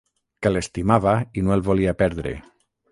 Que l'estimava i no el volia perdre.